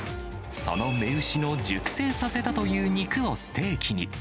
その雌牛の熟成させたという肉をステーキに。